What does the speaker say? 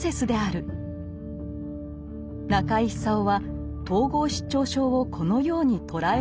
中井久夫は統合失調症をこのように捉え直したのです。